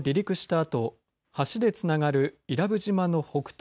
あと橋でつながる伊良部島の北東